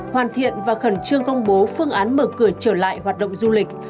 hoàn thiện và khẩn trương công bố phương án mở cửa trở lại hoạt động du lịch